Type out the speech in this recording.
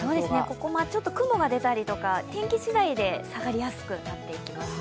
ここ、雲が出たりとか天気次第で下がりやすくなっていきます。